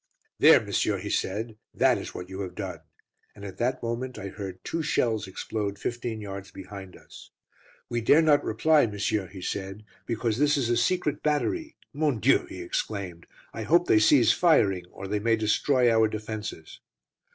"There, monsieur," he said, "that is what you have done," and at that moment I heard two shells explode fifteen yards behind us. "We dare not reply, monsieur," he said, "because this is a secret battery. Mon Dieu!" he exclaimed, "I hope they cease firing, or they may destroy our defences."